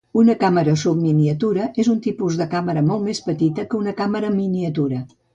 Una càmera subminiatura és un tipus de càmera molt més petita que una "càmera miniatura".